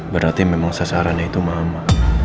berarti memang sasarannya itu mama